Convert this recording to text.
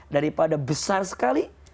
daripada besar sekali